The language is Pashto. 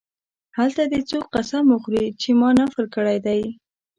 هلته دې څوک قسم وخوري چې ما نفل کړی دی.